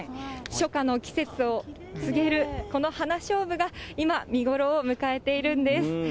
初夏の季節を告げるこの花しょうぶが、今、見頃を迎えているんです。